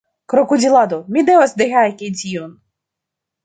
Krokodilado, mi devas dehaki tion!